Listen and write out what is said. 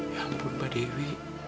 ya ampun mbak dewi